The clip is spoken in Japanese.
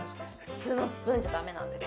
普通のスプーンじゃダメなんです